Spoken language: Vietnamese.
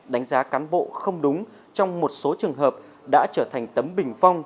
đánh giá cán bộ không đúng trong một số trường hợp đã trở thành tấm bình phong